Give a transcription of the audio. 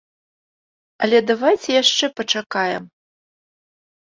Але давайце яшчэ пачакаем.